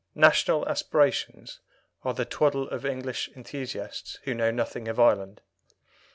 "National aspirations" are the twaddle of English enthusiasts who know nothing of Ireland.